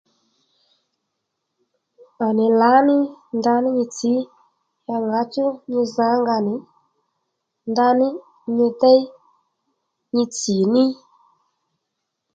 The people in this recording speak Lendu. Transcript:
À nì lǎ ní ndaní nyi tsǐ ya ŋǎchú nyi za ónga nì ndaní nyi déy nyi tsì ní